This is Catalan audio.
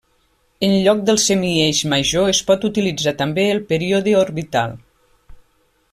En lloc del semieix major es pot utilitzar també el període orbital.